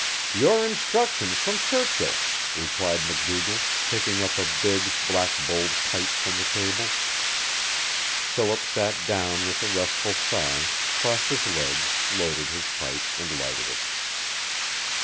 "Your instructions from Churchill," replied MacDougall, picking up a big, black bowled pipe from the table. Philip sat down with a restful sigh, crossed his legs, loaded his pipe, and lighted it.